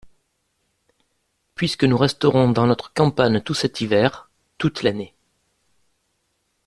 Puisque nous resterons dans notre campagne tout cet hiver, toute l'année.